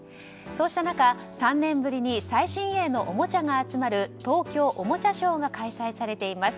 そうした中、３年ぶりに最新鋭のおもちゃが集まる東京おもちゃショーが開催されています。